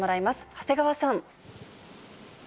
長谷川さん。